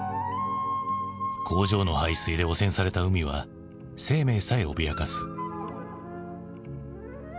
工場の排水で汚染された海は生命さえ脅かす。